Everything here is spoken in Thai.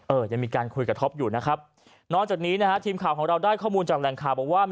ยังมีการคุยกับท็อปอยู่นะครับนอกจากนี้นะฮะทีมข่าวของเราได้ข้อมูลจากแหล่งข่าวบอกว่า